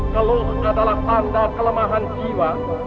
keluh adalah tanda kelemahan jiwa